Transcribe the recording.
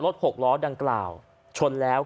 หกล้อดังกล่าวชนแล้ว